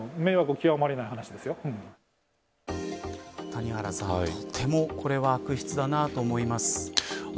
谷原さん、とてもこれは悪質だなと思います。